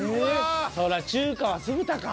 そら中華は酢豚か。